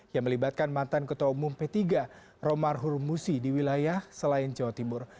yang melibatkan mantan ketua umum p tiga romar hurmusi di wilayah selain jawa timur